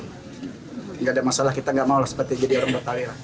tidak ada masalah kita tidak mau seperti jadi orang bertalir